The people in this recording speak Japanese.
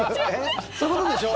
そういうことでしょ？